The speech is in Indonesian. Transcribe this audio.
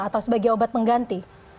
atau sebagai obat pengganti